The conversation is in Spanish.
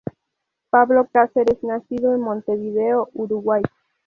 Pablo Cáceres nacido en Montevideo, Uruguay.